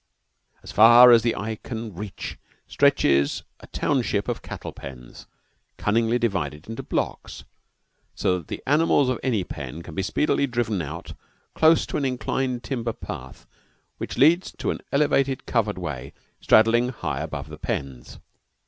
As far as the eye can reach stretches a town ship of cattle pens, cunningly divided into blocks, so that the animals of any pen can be speedily driven out close to an inclined timber path which leads to an elevated covered way straddling high above the pens.